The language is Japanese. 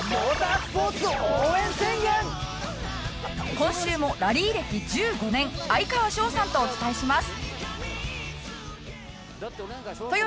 今週もラリー歴１５年哀川翔さんとお伝えします。